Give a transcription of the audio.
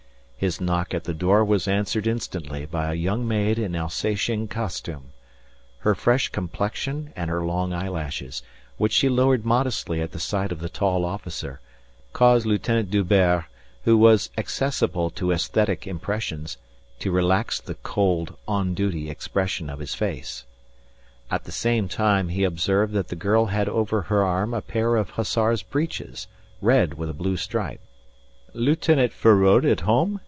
His knock at the door was answered instantly by a young maid in Alsatian costume. Her fresh complexion and her long eyelashes, which she lowered modestly at the sight of the tall officer, caused Lieutenant D'Hubert, who was accessible to esthetic impressions, to relax the cold, on duty expression of his face. At the same time he observed that the girl had over her arm a pair of hussar's breeches, red with a blue stripe. "Lieutenant Feraud at home?"